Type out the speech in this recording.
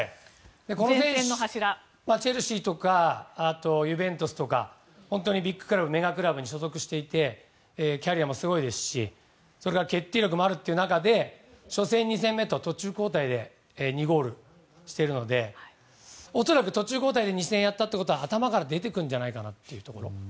この選手たちはチェルシーとかユベントスとか本当にメガクラブに所属していてキャリアもすごいですし決定力もある中で初戦、２戦目と途中交代で２ゴールしているので恐らく、途中交代で２戦やったということは頭から出てくるんじゃないかというところ。